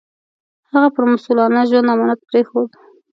هغه پر مسوولانه ژوند امانت پرېښود.